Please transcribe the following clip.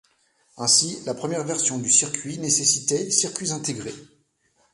Ainsi, la première version du circuit nécessitait circuits intégrés.